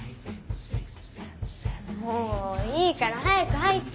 もういいから早く入って。